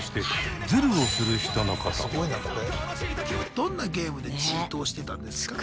どんなゲームでチートをしてたんですか？